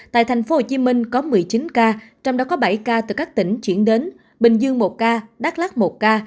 tại tp hcm có một mươi chín ca trong đó có bảy ca từ các tỉnh chuyển đến bình dương một ca đắk lắc một ca